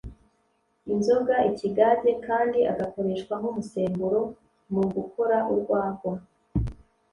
inzoga (ikigage) kandi agakoreshwa nk’umusemburo mu gukora urwagwa